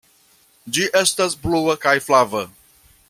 Ĝi estas blua kaj flava.